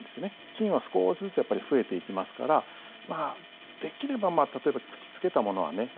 菌は少しずつやっぱり増えていきますからできれば例えば口つけたものはね